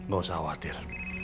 gak usah khawatir